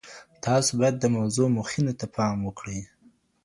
تاسو باید د موضوع مخینې ته پام وکړئ.